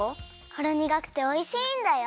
ほろにがくておいしいんだよ。